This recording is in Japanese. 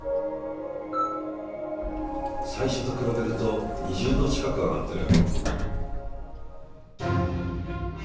最初と比べると２０℃近く上がってる。